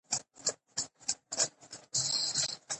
بدخشان د افغانستان د بڼوالۍ برخه ده.